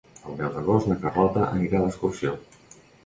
El deu d'agost na Carlota anirà d'excursió.